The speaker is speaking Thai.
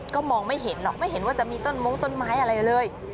ก็มองไม่เห็นหรอกไม่เห็นว่าจะมีต้นมงต้นไม้อะไรเลย